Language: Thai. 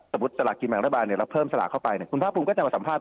สมมุติสลากกลิ่นแบบนี้โบราณนั้นเพิ่มสลากเข้าไปคุณท้าภูมิก็จะระสัมภาษณ์